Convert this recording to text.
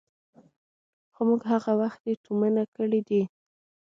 خو موږ هغه وختي تومنه کړي دي.